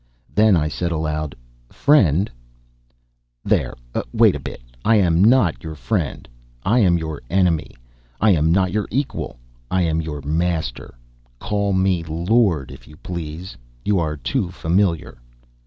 Then I said aloud: "Friend " "There; wait a bit. I am not your friend. I am your enemy; I am not your equal, I am your master, Call me 'my lord,' if you please. You are too familiar."